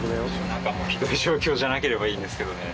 中もひどい状況じゃなければいいんですけどね。